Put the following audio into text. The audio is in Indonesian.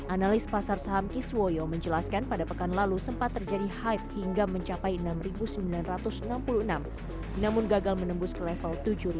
analis pasar saham kiswoyo menjelaskan pada pekan lalu sempat terjadi hype hingga mencapai enam sembilan ratus enam puluh enam namun gagal menembus ke level tujuh